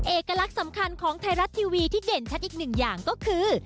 เอกลักษณ์สำคัญของไทยรัฐทีวีที่เด่นชัดอีกหนึ่งอย่างก็คือ